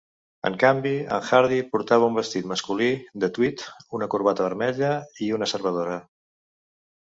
En canvi, en Hardie portava un vestit masculí de tweed, una corbata vermella i un cervadora.